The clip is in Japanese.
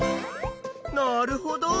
なるほど！